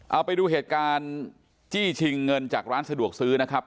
เอาไปดูเหตุการณ์จี้ชิงเงินจากร้านสะดวกซื้อนะครับ